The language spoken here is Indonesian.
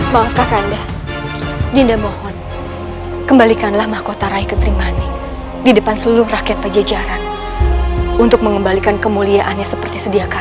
maaf kakanda dinda mohon kembalikanlah mahkota rai ketering manik di depan seluruh rakyat pacejaran untuk mengembalikan kemuliaannya seperti sedia kalah